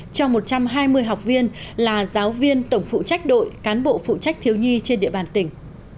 cho một trăm hai mươi học viên là giáo viên tổng phụ trách đội cán bộ phụ trách thiếu nhi trên địa bàn tỉnh